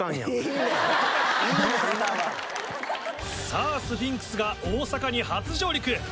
さぁスフィンクスが大阪に初上陸。